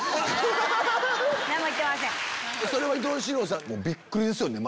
それは伊東四朗さんもびっくりですね